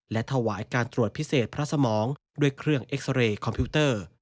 และถวายการตรวจพิเศษพระสมองด้วยเครื่องเอ็กซาเรย์คอมพิวเตอร์